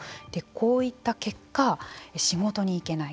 こういった結果仕事に行けない。